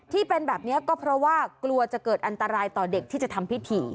ที่เป็นแบบนี้ก็เพราะว่ากลัวจะเกิดอันตรายต่อเด็กที่จะทำพิธี